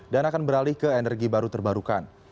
dan akan beralih ke energi baru terbarukan